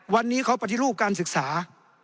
วันนี้เขาปฏิรูปการศึกษา